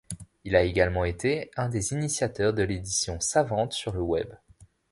Il a également été un des initiateurs de l’édition savante sur le Web.